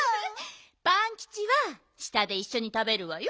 パンキチは下でいっしょにたべるわよ。